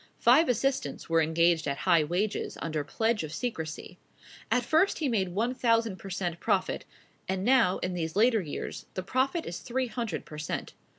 Five assistants were engaged at high wages, under pledge of secrecy. At first he made one thousand per cent profit; and now, in these later years, the profit is three hundred per cent.